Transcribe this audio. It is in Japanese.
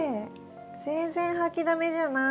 全然掃きだめじゃない。